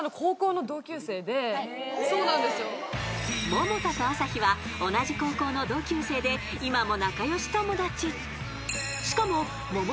［百田と朝日は同じ高校の同級生で今も仲良し友達］